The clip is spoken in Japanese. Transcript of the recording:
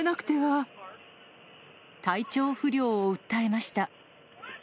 体調不良を訴えました。